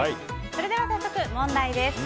それでは早速、問題です。